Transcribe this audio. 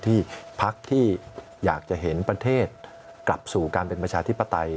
ที่พักที่อยากจะเห็นประเทศกลับสู่การเป็นประชาธิปไตย